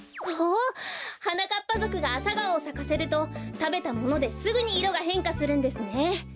おおはなかっぱぞくがアサガオをさかせるとたべたものですぐにいろがへんかするんですね。